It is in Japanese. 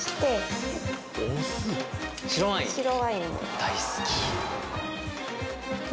大好き。